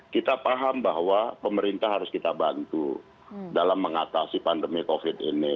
kita paham bahwa pemerintah harus kita bantu dalam mengatasi pandemi covid ini